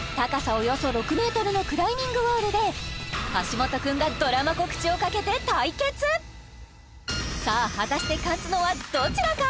およそ６ｍのクライミングウォールで橋本君がドラマ告知をかけて対決さあ果たして勝つのはどちらか？